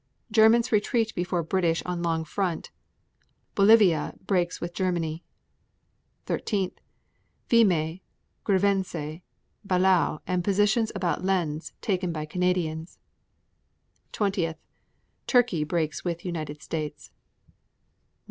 Germans retreat before British on long front. 9. Bolivia breaks with Germany. 13. Vimy, Givenchy, Bailleul and positions about Lens taken by Canadians. 20. Turkey breaks with United States.